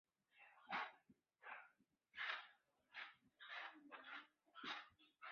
并且为避免在游行中出现暴力或静坐而特设了一个委员会。